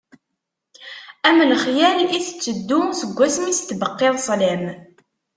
Am lexyal i tetteddu seg asmi s-tbeqqiḍ sslam.